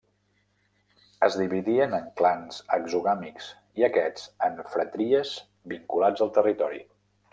Es dividien en clans exogàmics, i aquests en fratries, vinculats al territori.